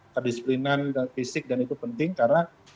kedisiplinan dan fisik dan itu penting karena